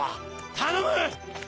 頼む！